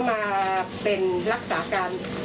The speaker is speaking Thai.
แม่ชีค่ะ